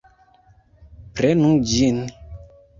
Prenu ĝin!